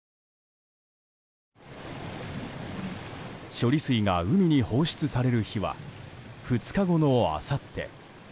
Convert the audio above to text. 処理水が海に放出される日は２日後のあさって。